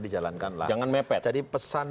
dijalankan lah jangan mepet jadi pesan